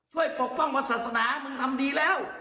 ช่วยปกป้องวัดศาสนามึงทำดีแล้ว